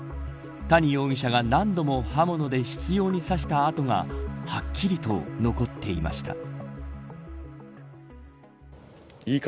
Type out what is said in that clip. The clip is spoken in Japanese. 谷容疑者が、何度も刃物で執拗に刺した痕がはっきりと残っていました。